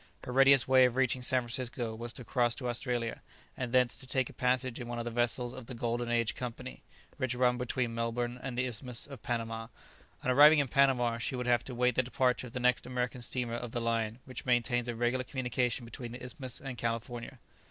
Her readiest way of reaching San Francisco was to cross to Australia, and thence to take a passage in one of the vessels of the "Golden Age" Company, which run between Melbourne and the Isthmus of Panama: on arriving in Panama she would have to wait the departure of the next American steamer of the line which maintains a regular communication between the Isthmus and California.